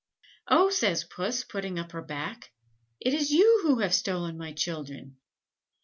"Oh!" says Puss, putting up her back, "it is you who have stolen my children."